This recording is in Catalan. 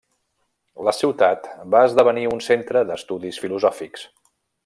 La ciutat va esdevenir un centre d'estudis filosòfics.